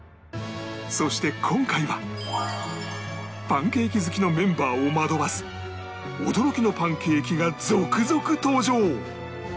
そして今回はパンケーキ好きのメンバーを惑わす驚きのパンケーキが続々登場！